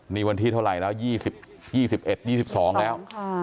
นี่วันที่เท่าไหร่แล้ว๒๑๒๒แล้ว